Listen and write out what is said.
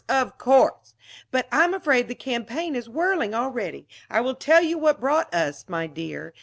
Of course! But I'm afraid the campaign is whirling already. I will tell you what brought us, my dear.